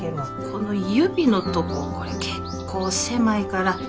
この指のとここれ結構狭いから。